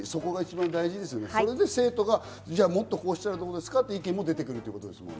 それで生徒がもっとこうしたらどうですか？って意見も出てくるってことですよね。